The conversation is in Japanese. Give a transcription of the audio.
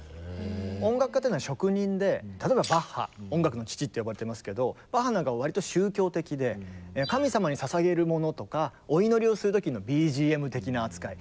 音楽家っていうのは職人で例えばバッハ「音楽の父」って呼ばれてますけどバッハなんかは割と宗教的で神様にささげるものとかお祈りをする時のＢＧＭ的な扱い。